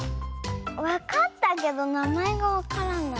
わかったけどなまえがわからない。